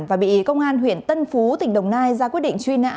và bị công an huyện tân phú tỉnh đồng nai ra quyết định truy nã